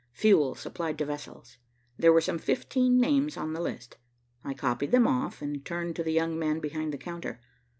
Fuel supplied to vessels. There were some fifteen names on the list. I copied them off, and turned to the young man behind the counter.